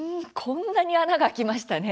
こんなに穴が開きましたね。